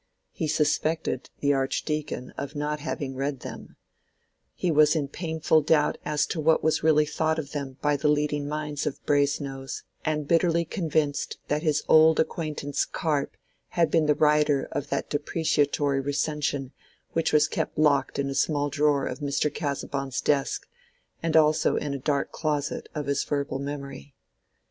He suspected the Archdeacon of not having read them; he was in painful doubt as to what was really thought of them by the leading minds of Brasenose, and bitterly convinced that his old acquaintance Carp had been the writer of that depreciatory recension which was kept locked in a small drawer of Mr. Casaubon's desk, and also in a dark closet of his verbal memory.